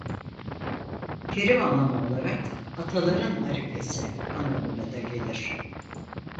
Terim anlamı olarak "ataların arifesi" anlamına da gelir.